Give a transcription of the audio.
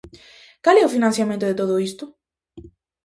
Cal é o financiamento de todo isto?